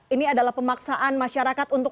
ini adalah pemaksaan masyarakat untuk